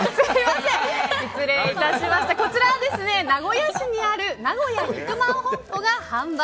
こちらは、名古屋市にある名古屋肉まん本舗が販売。